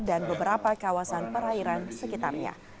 dan beberapa kawasan perairan sekitarnya